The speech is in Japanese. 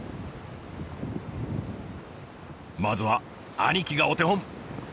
まずは兄貴がお手本。